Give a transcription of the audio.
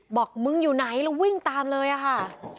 บอกมึงอยู่ไหนแล้ววิ่งตามเลยอะค่ะ